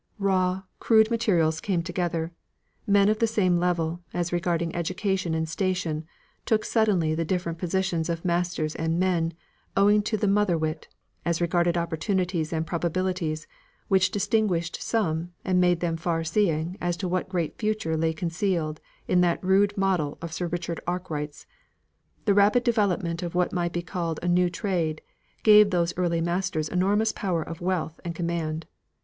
Raw, crude materials came together; men of the same level, as regarded education and station, took suddenly the different position of masters and men, owing to the motherwit, as regarded opportunities and probabilities, which distinguished some, and made them far seeing as to what great future lay concealed in that rude model of Sir Richard Arkwright's. The rapid development of what might be called a new trade, gave those early masters enormous power of wealth and command.